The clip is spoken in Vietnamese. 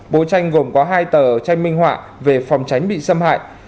bộ tranh gồm có hai tờ tranh minh họa về phòng tránh bị xâm hại